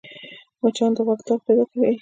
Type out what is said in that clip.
مچان د غوږ درد پیدا کوي